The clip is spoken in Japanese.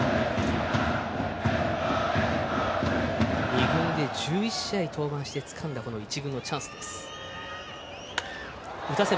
２軍で１１試合登板してつかんだ１軍のチャンスです。